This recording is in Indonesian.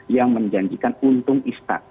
yang menjanjikan untung instan